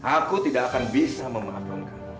aku tidak akan bisa memahamkan kamu